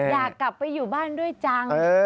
อยากกลับไปอยู่บ้านด้วยจัง